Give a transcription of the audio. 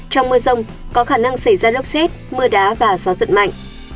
trong mưa rông có khả năng xảy ra lốc xét và gió giật mạnh